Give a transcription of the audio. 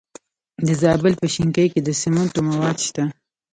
د زابل په شنکۍ کې د سمنټو مواد شته.